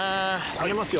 上げますよ。